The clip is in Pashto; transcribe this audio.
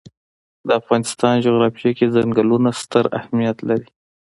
د افغانستان جغرافیه کې ځنګلونه ستر اهمیت لري.